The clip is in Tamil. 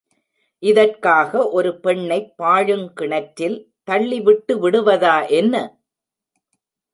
இதற்காக ஒரு பெண்ணைப் பாழுங் கிணற்றில் தள்ளி விட்டுவிடுவதா என்ன?